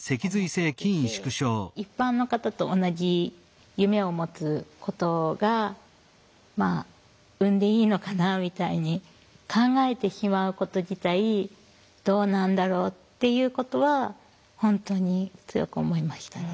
一般の方と同じ夢を持つことがまあ産んでいいのかなみたいに考えてしまうこと自体どうなんだろうっていうことは本当に強く思いましたね。